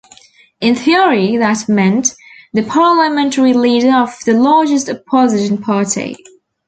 In theory, that meant the parliamentary leader of the largest Opposition party.